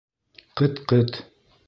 — Ҡыт-ҡыт!